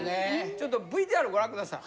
ちょっとＶＴＲご覧ください。